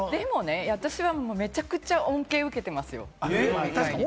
でもね、私はめちゃくちゃ恩恵を受けてますよ。